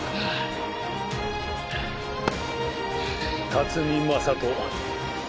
辰巳雅人。